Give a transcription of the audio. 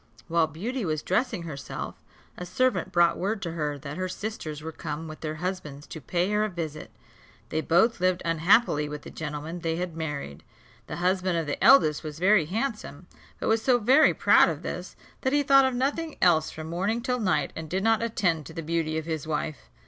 While Beauty was dressing herself, a servant brought word to her that her sisters were come with their husbands to pay her a visit. They both lived unhappily with the gentlemen they had married. The husband of the eldest was very handsome; but was so very proud of this, that he thought of nothing else from morning till night, and did not attend to the beauty of his wife.